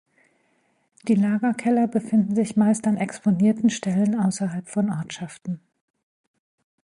Die Lagerkeller befinden sich meist an exponierten Stellen außerhalb von Ortschaften.